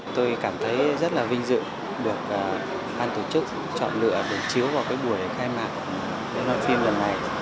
tôi cảm thấy rất là vinh dự được ban tổ chức chọn lựa bổng chiếu vào cái buổi khai mạc liên hoan phim lần này